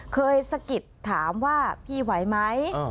เคยสะกิดถามว่าพี่ไว้ไหม